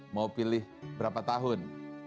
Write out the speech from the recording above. mau pilih berapa tahun